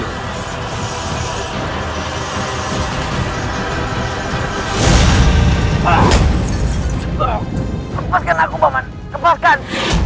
lepaskan aku baman lepaskan